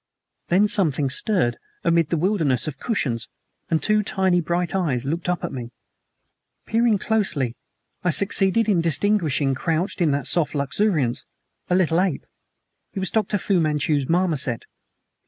Then something stirred amid the wilderness of cushions, and two tiny bright eyes looked up at me. Peering closely, I succeeded in distinguishing, crouched in that soft luxuriance, a little ape. It was Dr. Fu Manchu's marmoset.